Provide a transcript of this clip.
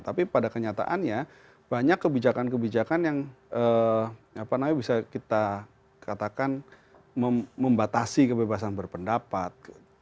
tapi pada kenyataannya banyak kebijakan kebijakan yang bisa kita katakan membatasi kebebasan berpendapat